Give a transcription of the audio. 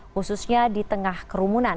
khususnya di tengah kerumunan